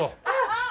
あっ！